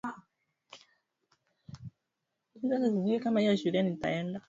Kukabiliana na ugonjwa wa bonde la ufa wanyama wapewe chanjo